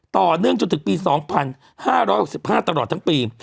ต่อเนื่องจนถึงปี๒๕๖๕ตลอดทั้งปี